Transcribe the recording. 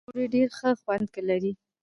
د تندور ډوډۍ ډېر ښه خوند لري.